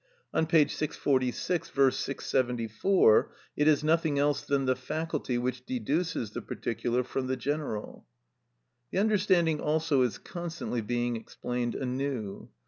On p. 646; V. 674, it is nothing else than the faculty which deduces the particular from the general. The understanding also is constantly being explained anew.